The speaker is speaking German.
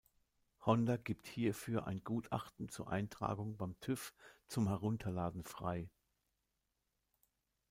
Honda gibt hierfür ein Gutachten zur Eintragung beim TÜV zum Herunterladen frei.